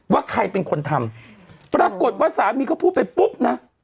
ว่าใครเป็นคนทำปรากฏว่าสามีเขาพูดไปปุ๊บนะ